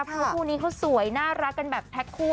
เพราะคู่นี้เขาสวยน่ารักกันแบบแพ็คคู่